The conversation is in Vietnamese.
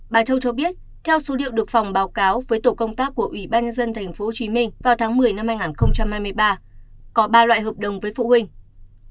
bà châu cho biết theo số liệu được phòng báo cáo với tổ công tác của ủy ban nhân dân tp hcm vào tháng một mươi năm hai nghìn hai mươi ba có ba loại hợp đồng với phụ huynh